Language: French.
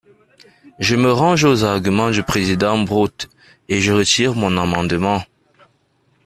Je me range aux arguments du président Brottes, et je retire mon amendement.